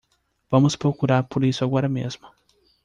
Vamos procurar por isso agora mesmo.